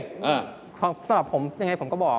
สำหรับผมยังไงผมก็บอก